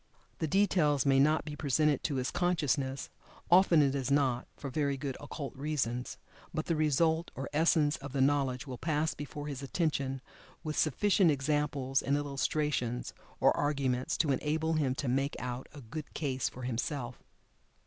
The details may not be presented to his consciousness (often it is not, for very good occult reasons) by the result, or essence of the knowledge will pass before his attention, with sufficient examples and illustrations, or arguments to enable him to make out "a good case" for himself.